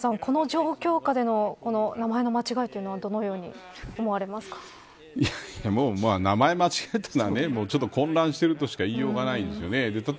立岩さん、この状況下での名前の間違いというのは名前を間違えたのはちょっと混乱してるとしか言いようがないですよね。